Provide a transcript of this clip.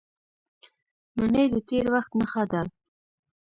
منی د تېر وخت نښه ده